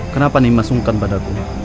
kenapa nima sungkan padaku